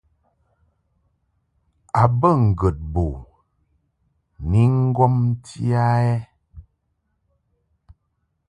A bə ŋgəd bo ni ŋgomti a ɛ ?